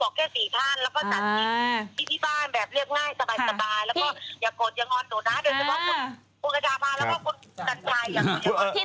โดยเฉพาะคุณกทาพาและคุณก่อนไปกันคือ